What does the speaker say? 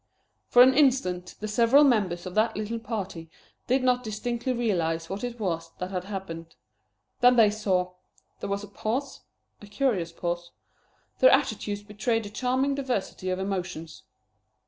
For an instant the several members of that little party did not distinctly realize what it was that had happened. Then they saw. There was a pause a curious pause. Their attitudes betrayed a charming diversity of emotions.